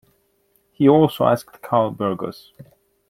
He also asked Carl Burgos.